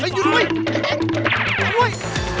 หยุดด้วย